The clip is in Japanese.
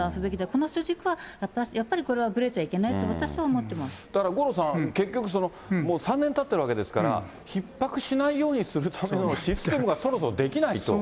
その主軸は、やっぱりこれはぶれだから五郎さん、結局、３年たってるわけですから、ひっ迫しないようにするためのシステムがそろそろ出来ないと。